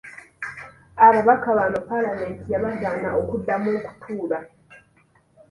Ababaka bano palamenti yabagaana okuddamu okutuula